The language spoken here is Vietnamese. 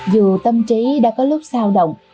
dù tâm trí đã có lúc sao động